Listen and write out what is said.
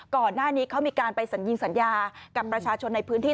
ก่อนหน้านี้เขามีการไปสัญญิงสัญญากับประชาชนในพื้นที่